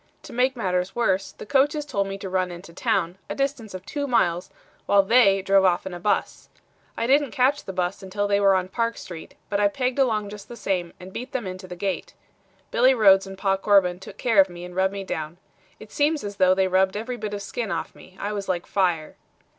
To make matters worse, the coaches told me to run in to town, a distance of two miles, while they drove off in a bus. I didn't catch the bus until they were on Park Street, but I pegged along just the same and beat them in to the gate. Billy Rhodes and Pa Corbin took care of me and rubbed me down. It seems as though they rubbed every bit of skin off of me. I was like fire.